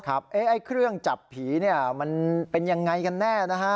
ไอ้เครื่องจับผีมันเป็นอย่างไรกันแน่